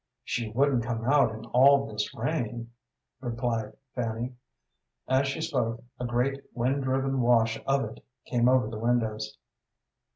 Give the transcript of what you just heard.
"She wouldn't come out in all this rain," replied Fanny. As she spoke, a great, wind driven wash of it came over the windows.